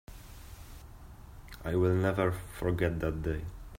I will never forget that day.